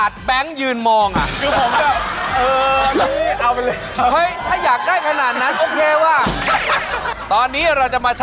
จะไม่บอกครับ